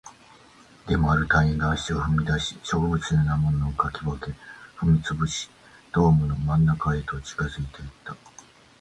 でも、ある隊員が足を踏み出し、植物のようなものを掻き分け、踏み潰し、ドームの真ん中へと近づいていった